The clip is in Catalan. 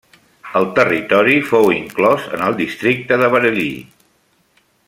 El territori fou inclòs en el districte de Bareilly.